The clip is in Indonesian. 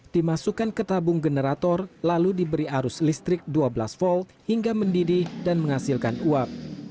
dimasukkan ke tabung generator lalu diberi arus listrik dua belas volt hingga mendidih dan menghasilkan uap